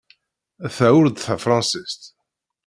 Ta ur d tafṛensist.